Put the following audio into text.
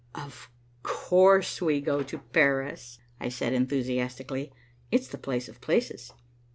"Of course we go to Paris," I said enthusiastically. "It's the place of places."